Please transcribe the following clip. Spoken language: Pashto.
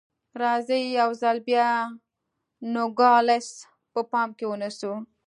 راځئ یو ځل بیا نوګالس په پام کې ونیسو.